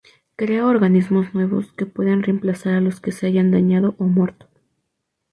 Crea organismos nuevos, que pueden reemplazar a los que se hayan dañado o muerto.